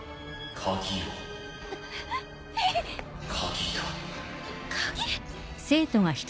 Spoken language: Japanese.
・鍵だ。